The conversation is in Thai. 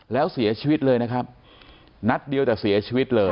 แล้วเสียชีวิตเลยนะครับนัดเดียวแต่เสียชีวิตเลย